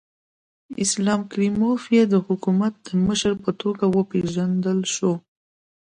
اسلام کریموف یې د حکومت د مشر په توګه وپېژندل شو.